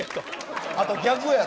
あと逆やろ。